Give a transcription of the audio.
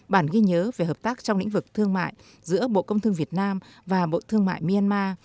bản ghi nhớ về hợp tác trong lĩnh vực thương mại giữa bộ công thương việt nam và bộ thương mại myanmar